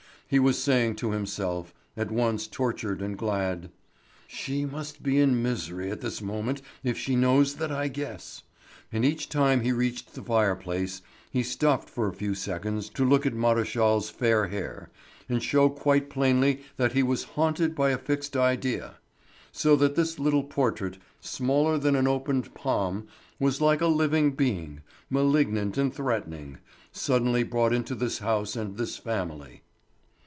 He was saying to himself—at once tortured and glad: "She must be in misery at this moment if she knows that I guess!" And each time he reached the fire place he stopped for a few seconds to look at Maréchal's fair hair, and show quite plainly that he was haunted by a fixed idea. So that this little portrait, smaller than an opened palm, was like a living being, malignant and threatening, suddenly brought into this house and this family.